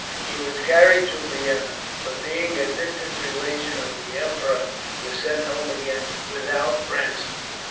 He was carried to Vienna, but being a distant relation of the emperor, was sent home again without ransom.